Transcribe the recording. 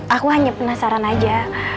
aku hanya penasaran aja